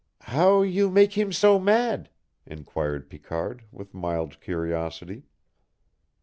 "How you mak' eet him so mad?" inquired Picard, with mild curiosity.